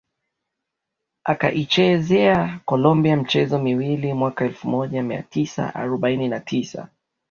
akaichezea Colombia michezo miwili mwaka elfu moja mia tisa arobaini tisa